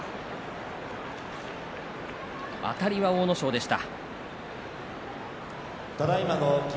あたりは阿武咲でした。